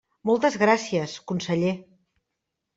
Moltes gràcies, conseller.